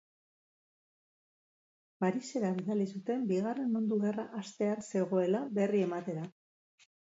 Paris-era bidali zuten Bigarren Mundu Gerra hastear zegoela berri ematera.